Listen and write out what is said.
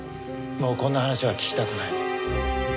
もうこんな話は聞きたくない。